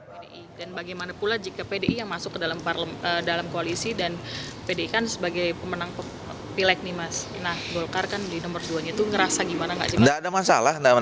pdi dan bagaimana pula jika pdi yang masuk ke dalam koalisi dan pdi kan sebagai pemenang pilek nih mas nah golkar kan di nomor duanya itu ngerasa gimana gak sih mas